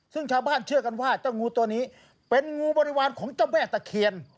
ซึ่งชาวบ้านเชื่อกันว่าเจ้างูตัวนี้เป็นงูบริวารของเจ้าแม่ตะเคียน